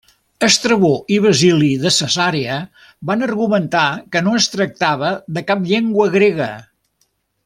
Estrabó i Basili de Cesarea van argumentar que no es tractava de cap llengua grega.